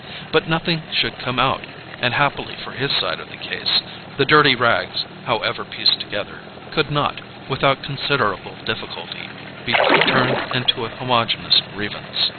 But nothing should come out; and happily for his side of the case, the dirty rags, however pieced together, could not, without considerable difficulty, be turned into a homogeneous grievance.